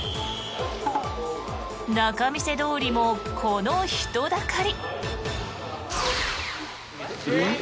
仲見世通りもこの人だかり。